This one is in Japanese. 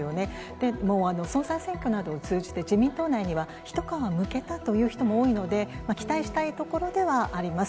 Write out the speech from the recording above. でも総裁選挙などを通じて自民党内には、一皮むけたという人も多いので、期待したいところではあります。